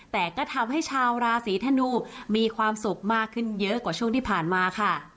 แต่ก็ทำให้ชาวราศีธนูมีความสุขมากขึ้นเยอะกว่าช่วงที่ผ่านมาค่ะ